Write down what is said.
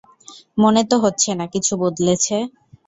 মনে তো হচ্ছে না কিছু বদলেছে।